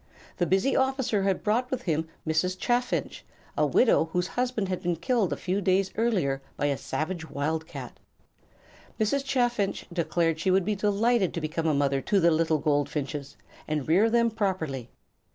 The busy officer had brought with him Mrs. Chaffinch, a widow whose husband had been killed a few days before by a savage wildcat. Mrs. Chaffinch declared she would be delighted to become a mother to the little goldfinches, and rear them properly.